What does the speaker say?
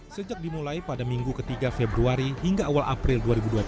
sejak dimulai pada minggu ketiga februari hingga awal april dua ribu dua puluh